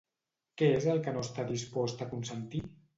Què és el que no està dispost a consentir?